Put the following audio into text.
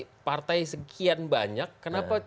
tapi partai sekian banyak kenapa